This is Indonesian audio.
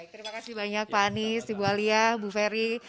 terima kasih banyak pak anies ibu alia bu ferry